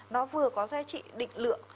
nó vừa có giá trị định lượng